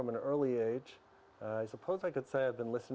mereka tahu banyak kerja yang perlu dilakukan